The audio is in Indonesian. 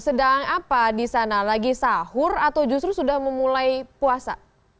sedang apa di sana lagi sahur atau justru sudah memulai puasa